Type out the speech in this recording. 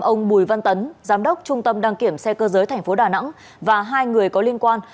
ông bùi văn tấn giám đốc trung tâm đăng kiểm xe cơ giới tp đà nẵng và hai người có liên quan